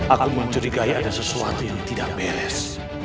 akan mencurigai ada sesuatu yang tidak beres